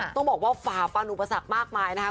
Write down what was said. ต้องบอกว่าฝ่าฟันอุปสรรคมากมายนะคะ